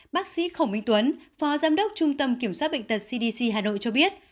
bác sĩ khổng minh tuấn phó giám đốc trung tâm kiểm soát bệnh tật cdc hà nội cho biết